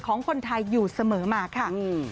ของคนไทยอยู่เสมอมาค่ะ